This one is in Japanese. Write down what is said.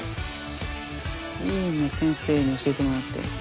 いいね先生に教えてもらって。